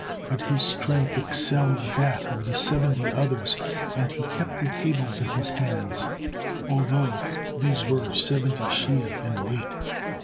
But his strength excelled that of the seventy others, and he kept the tables in his hands, although these were seventy Seah in weight.